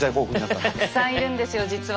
たくさんいるんですよ実は。